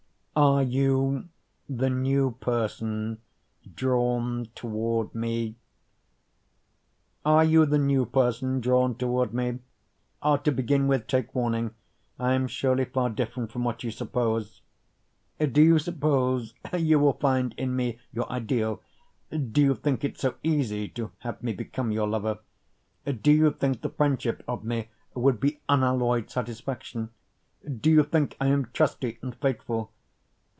Are You the New Person Drawn Toward Me? Are you the new person drawn toward me? To begin with take warning, I am surely far different from what you suppose; Do you suppose you will find in me your ideal? Do you think it so easy to have me become your lover? Do you think the friendship of me would be unalloy'd satisfaction? Do you think I am trusty and faithful?